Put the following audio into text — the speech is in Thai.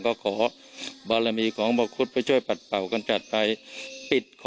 ก็ขอบารมีของพระอุปกฤษไปช่วยปัดเป่ากันจัดไป